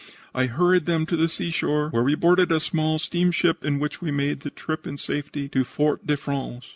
I hurried them to the seashore, where we boarded a small steamship, in which we made the trip in safety to Fort de France.